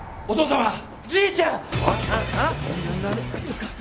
お父さま。